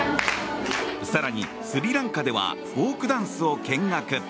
更に、スリランカではフォークダンスを見学。